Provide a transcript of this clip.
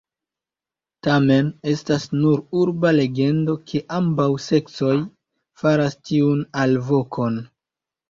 Tamen estas nur urba legendo ke ambaŭ seksoj faras tiun alvokon.